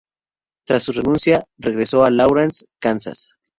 Tras su renuncia, regresó a Lawrence, Kansas.